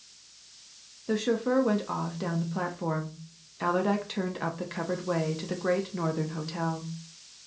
The chauffeur went off down the platform. Allerdyke turned up the covered way to the Great Northern Hotel.